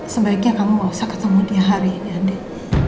sebaiknya kamu gak usah ketemu dia hari ini adik